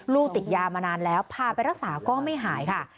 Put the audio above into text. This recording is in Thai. ติดยามานานแล้วพาไปรักษาก็ไม่หายค่ะ